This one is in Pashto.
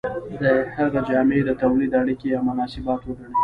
د هغه جامې د تولید اړیکې یا مناسبات وګڼئ.